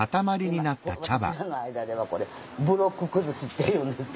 今私らの間ではこれブロック崩しっていうんですよ。